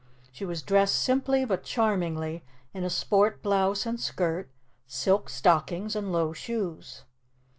She was dressed simply but charmingly in a sport blouse and skirt, silk stockings and low shoes.